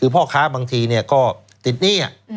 คือพ่อค้าบางทีก็ติดหนี้